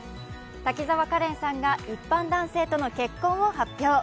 滝沢カレンさんが一般男性との結婚を発表。